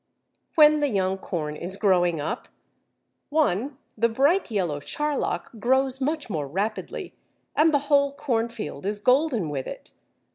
When the young corn is growing up (1) the bright yellow Charlock grows much more rapidly, and the whole cornfield is golden with it.